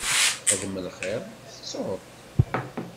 Xdem lxir, tettuḍ-t.